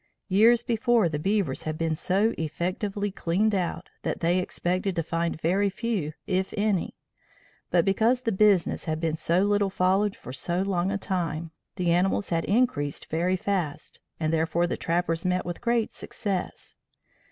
Years before the beavers had been so effectively cleaned out that they expected to find very few if any; but because the business had been so little followed for so long a time, the animals had increased very fast and therefore the trappers met with great success.